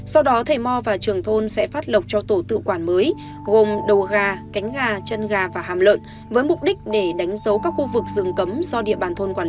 sau đó thầy mò và trường thôn sẽ phát lộc cho tổ tự quản mới gồm đầu gà cánh gà chân gà và hàm lợn với mục đích để đánh dấu các khu vực rừng cấm do địa bàn thôn quản lý